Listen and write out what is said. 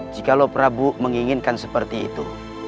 jikalau prabu menginginkan seperti itu